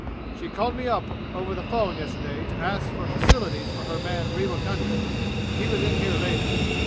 "She called me up over the phone yesterday to ask for facilities for her man Rewa Gunga, and he was in here later.